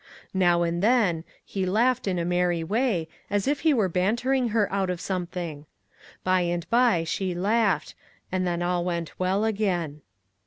Now and then, he laughed in a merry way, as if he were bantering her out of something. By and by, she laughed, and then all went well again.